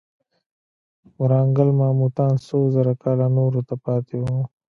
ورانګل ماموتان څو زره کاله نورو ته پاتې وو.